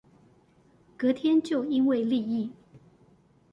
隔天就因為利益